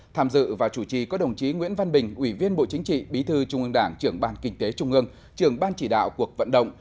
tham dự và chủ trì có đồng chí nguyễn văn bình ủy viên bộ chính trị bí thư trung ương đảng trưởng bàn kinh tế trung ương trưởng ban chỉ đạo cuộc vận động